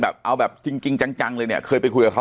แบบเอาแบบจริงจังเลยเนี่ยเคยไปคุยกับเขา